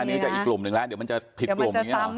๕นิ้วชาอีกกลุ่มหนึ่งแล้วเดี๋ยวมันจะผิดกลุ่ม